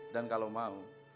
dan kalau mau